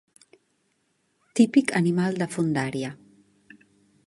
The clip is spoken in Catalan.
Típic animal de fondària.